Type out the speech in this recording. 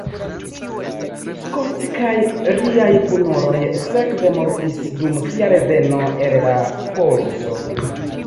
Scott kaj liaj kunuloj sekve mortis dum sia reveno el la poluso.